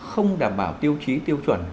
không đảm bảo tiêu chí tiêu chuẩn